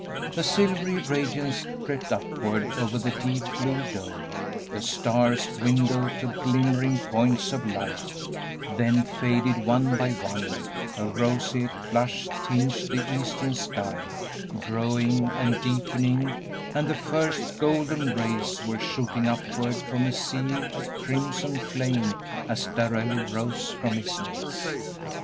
The silvery radiance crept upward over the deep blue dome; the stars dwindled to glimmering points of light, then faded one by one; a roseate flush tinged the eastern sky, growing and deepening, and the first golden rays were shooting upward from a sea of crimson flame as Darrell rose from his knees.